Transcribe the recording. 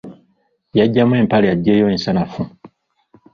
Yaggyamu empale eggyeyo ensanafu.